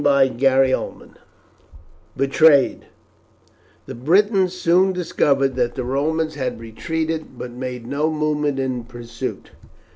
CHAPTER X: BETRAYED The Britons soon discovered that the Romans had retreated, but made no movement in pursuit.